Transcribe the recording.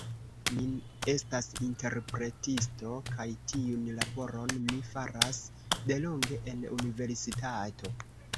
Mi estas interpretisto kaj tiun laboron mi faras delonge en universitato.